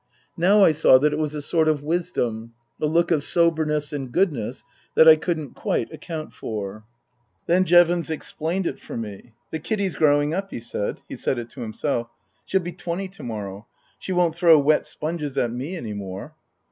Now I saw that it was a sort of wisdom, a look of soberness and goodness that I couldn't quite account for. Then Jevons explained it for me. ' The Kiddy's growing up," he said (he said it to himself). " She'll be twenty to morrow. She won't throw wet sponges at me any more."